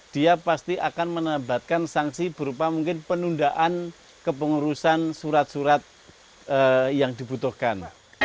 dia pasti akan menembatkan sanksi berupa mungkin penundaan kepengurusan surat surat yang dibutuhkan